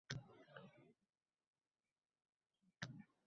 Boshqalar eplayapti-ku, nega senda o‘xshamayapti?